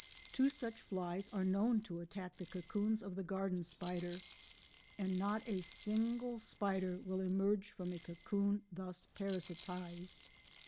Two such flies are known to attack the cocoons of the garden spider, and not a single spider will emerge from a cocoon thus parasitised.